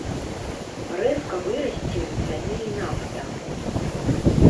Рэзка вырасце ў цане і нафта.